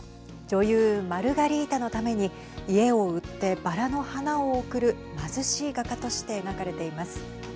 女優マルガリータのために家を売ってバラの花を贈る貧しい画家として描かれています。